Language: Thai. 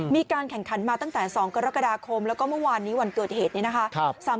มีการแข่งขันมาตั้งแต่๒กรกฎาคมแล้วก็เมื่อวานนี้วันเกิดเหตุเนี่ยนะคะ